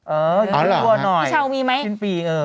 เอออยู่ด้วยหน่อยสิ้นปีเออพี่เช้ามีไหม